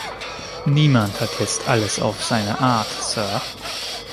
Niemand hat jetzt alles auf seine Art, Sir.